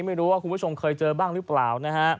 ไม่รู้ว่าคุณผู้ชมเคยเจอบ้างหรือเปล่านะฮะ